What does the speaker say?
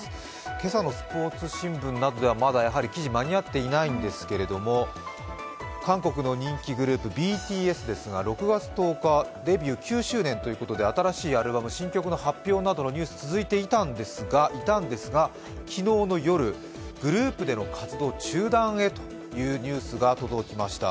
今朝のスポーツ新聞などでは、まだ記事が間に合っていないんですけれども、韓国の人気グループＢＴＳですが６月１０日、デビュー９周年ということで新しいアルバム、新曲の発表などのニュース続いていたんですが、昨日の夜、グループでの活動中断へというニュースが届きました。